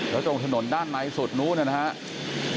แล้วตรงถนนด้านในสุดนู้นนะครับ